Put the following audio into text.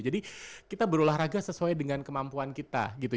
jadi kita berolahraga sesuai dengan kemampuan kita gitu